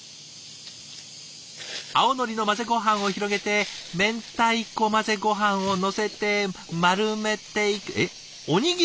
青のりの混ぜごはんを広げて明太子混ぜごはんをのせて丸めて。